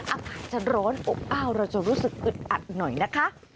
อากาศจะร้อนอบอ้าวเราจะรู้สึกอึดอัดหน่อยนะคะ